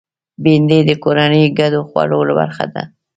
بېنډۍ د کورنیو ګډو خوړو برخه ده